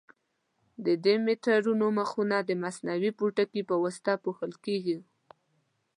د دې میټرونو مخونه د مصنوعي پوټکي په واسطه پوښل کېږي.